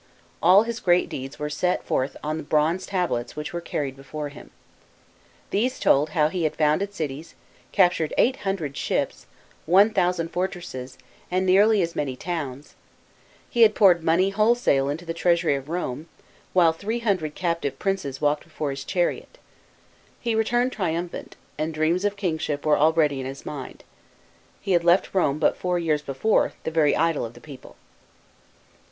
All his great deeds were set forth on bronze tablets which were carried before him. These told how he . had founded cities, captured eight hundred ships, one thousand fortresses, and nearly as many towns ; he had poured money wholesale into the treasury of Rome, while three hundred captive princes walked before his chariot. He returned triumphant, and dreams of kingship were already in his mind. He had left Rome but four years before, the very idol of the people.